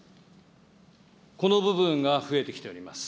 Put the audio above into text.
この部分が増えてきております。